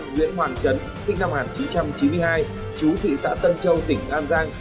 nguyễn hoàn trấn sinh năm một nghìn chín trăm chín mươi hai chú thị xã tân châu tỉnh an giang